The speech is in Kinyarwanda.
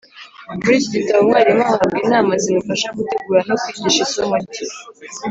Muri iki gitabo umwarimu ahabwa inama zimufasha gutegura no kwigisha isomo rye